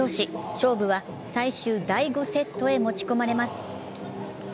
勝負は最終第５セットへ持ち込まれます。